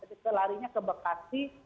itu larinya ke bekasi